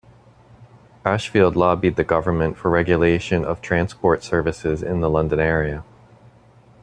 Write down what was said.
Ashfield lobbied the government for regulation of transport services in the London area.